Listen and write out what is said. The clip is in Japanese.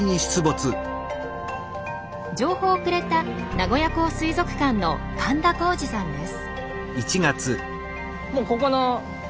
情報をくれた名古屋港水族館の神田幸司さんです。